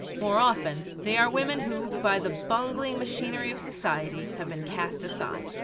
More often they are women who by the bungling machinery of society have been cast aside.